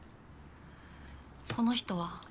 この人は？